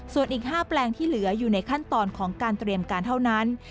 ส่วนอีก๕แปลงที่เหลืออยู่ในขั้นตอนของการเตรียมการเท่านั้น